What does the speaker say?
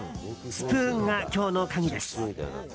スプーンが今日の鍵です。